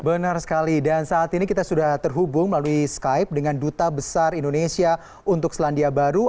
benar sekali dan saat ini kita sudah terhubung melalui skype dengan duta besar indonesia untuk selandia baru